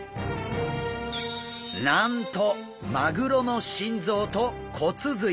なんとマグロの心臓と骨髄！